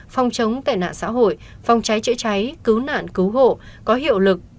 phòng chống tệ nạn xã hội phòng trái trễ trái cứu nạn cứu hộ có hiệu lực